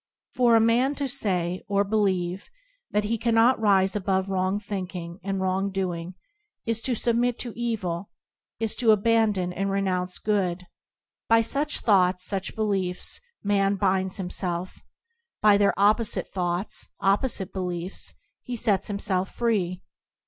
For a man to say, or believe, that he cannot rise above wrong thinking and [*] IBoDp anD Circumstance wrong doing, is to submit to evil, is to aban don and renounce good. By such thoughts, such beliefs, man binds himself; by their opposite thoughts, opposite beliefs, he sets himself free.